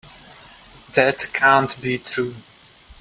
That can't be true.